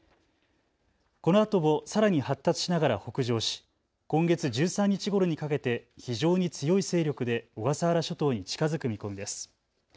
このあともさらに発達しながら北上し、今月１３日ごろにかけて非常に強い勢力で小笠原諸島に近づく見込みです。